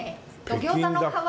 餃子の皮を。